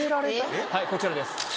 はいこちらです。